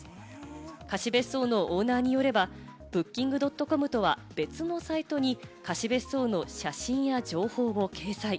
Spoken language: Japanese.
貸別荘のオーナーによれば、Ｂｏｏｋｉｎｇ．ｃｏｍとは別のサイトに貸別荘の写真や情報を掲載。